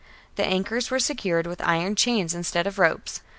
^ The anchors were secured with iron chains instead of ropes.